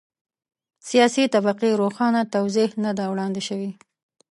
سیاسي طبقې روښانه توضیح نه ده وړاندې شوې.